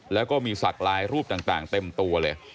แล้วก็มีสักลายรูปต่างเต็มตัวเลย